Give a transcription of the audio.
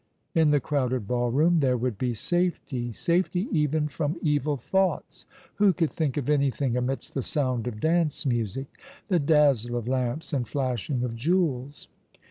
In the crowded ball room there would bo 58 All along the River. safety — safety even from evil tlionglits. Who could think of anything amidst the sound of dance music, the dazzle of lamps and flashing of jewels?